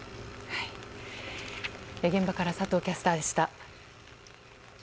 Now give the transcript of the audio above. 現場から佐藤キャスターでした。